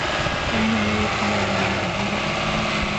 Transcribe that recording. އެންމެ މީރު ކަމަށް ވަނީ އަހިވައް